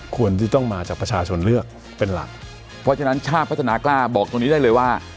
ควรที่ต้องมาจากประชาชนเลือกเป็นหลักเพราะฉะนั้นชาติพัฒนากล้าบอกตรงนี้ได้เลยว่า